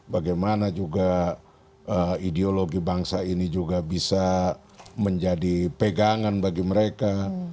bagaimana juga ideologi bangsa ini juga bisa menjadi pegangan bagi mereka